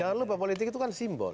jangan lupa politik itu kan simbol